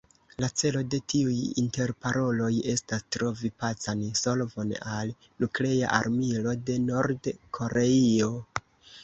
La celo de tiuj interparoloj estas trovi pacan solvon al Nuklea Armilo de Nord-Koreio.